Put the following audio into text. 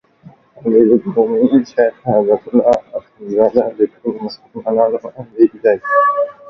امیرالمؤمنین شيخ هبة الله اخوندزاده د ټولو مسلمانانو امیر دی